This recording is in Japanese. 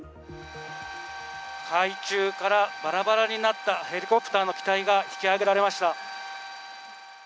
海中からバラバラになったヘリコプターの機体が引き揚げられました。